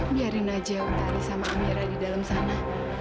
biarin aja utari sama amirah di dalam sana